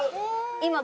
今。